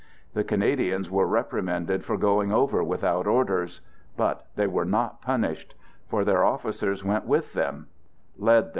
... The Canadians were reprimanded for going over I without orders. But they were not punished. For their officers went with them — led them.